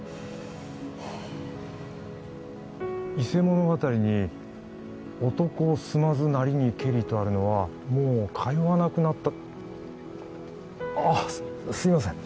「伊勢物語」に「男住まずなりにけり」とあるのはもう通わなくなったあっすいません